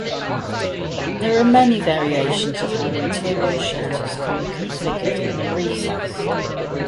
There are many variations of how interior shutters can be configured in a recess.